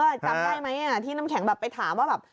จำได้ไหมที่น้ำแข็งแบบไปถามว่าแบบ